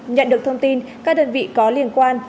nhận được thông tin các đơn vị có liên quan